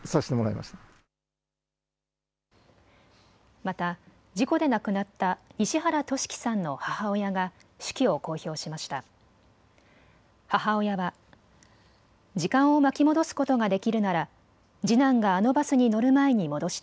また事故で亡くなった西原季輝さんの母親が手記を公表しました。